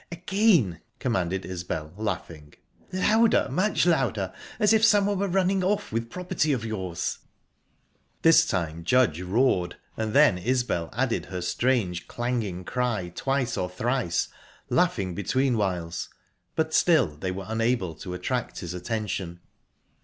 "Again!" commanded Isbel, laughing. "Louder much louder! As if someone were running off with property of yours..." This time Judge roared, and then Isbel added her strange clanging cry twice or thrice, laughing between whiles; but still they were unable to attract his attention.